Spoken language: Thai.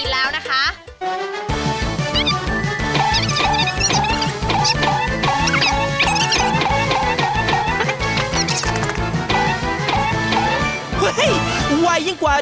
เฮ้ยไว้เยี่ยมกว่า